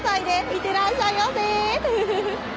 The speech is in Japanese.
いってらっしゃいませ！